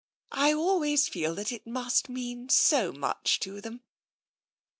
I always feel that it must mean so much to them.